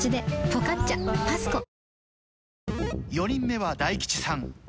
４人目は大吉さん。